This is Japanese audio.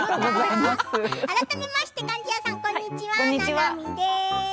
改めまして貫地谷さんこんにちは、ななみです。